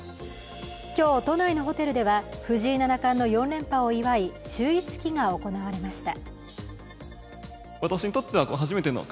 今日、都内のホテルでは藤井七冠の４連覇を祝い就位式が行われました。